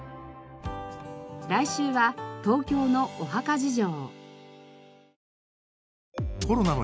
来週は東京のお墓事情。